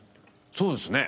そうですね。